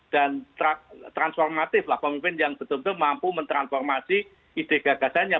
dan transformatif lah pemimpin yang betul betul mampu mentransformasi ide gagasannya